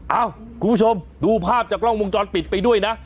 เอ้าคุณผู้ชมดูภาพจากกล้องวงจรปิดไปด้วยนะ